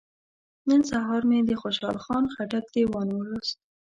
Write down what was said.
نن سهار مې د خوشحال خان خټک دیوان ولوست.